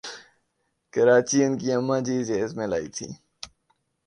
کراچی ان کی اماں جی جہیز میں لائیں تھیں ۔